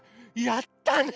やったね！